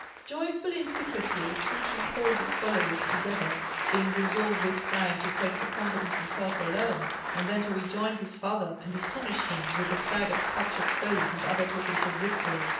Joyfully and secretly Sintram called all his followers together, being resolved this time to take the combat on himself alone, and then to rejoin his father, and astonish him with the sight of captured foes and other tokens of victory.